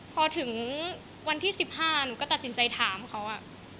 พอถึงวันที่๑๕หนูก็ตัดสินใจถามเขา